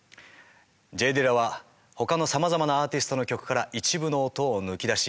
Ｊ・ディラはほかのさまざまなアーティストの曲から一部の音を抜き出し